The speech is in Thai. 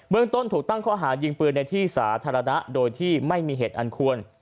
เมืองต้นถูกตั้งข้อหายิงปืนในที่สาธารณะโดยที่ไม่มีเหตุอันควร